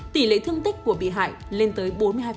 tỷ lệ thương tích của bị hại lên tới bốn mươi hai